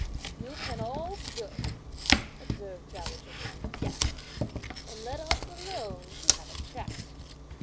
"You can all go," observed dowager lady Chia, "and let us alone to have a chat."